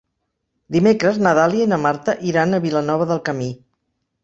Dimecres na Dàlia i na Marta iran a Vilanova del Camí.